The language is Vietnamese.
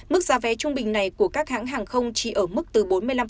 mức giá vé trung bình này của các hãng hàng không chỉ ở mức từ bốn mươi năm